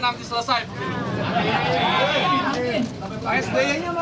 nah foto bertiga